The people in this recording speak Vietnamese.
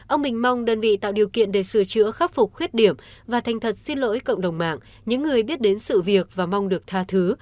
ông bình mong đơn vị tạo điều kiện để sửa chữa khắc phục khuyết điểm và thành thật xin lỗi cộng đồng mạng những người biết đến sự việc và mong được tha thứ